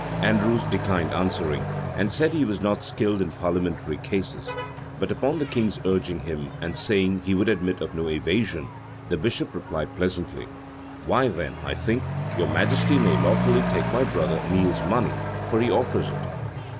Andrews declined answering, and said he was not skilled in parliamentary cases: but upon the king's urging him, and saying he would admit of no evasion, the bishop replied pleasantly, "Why, then, I think your majesty may lawfully take my brother Neile's money; for he offers it."